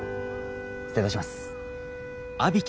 失礼いたします。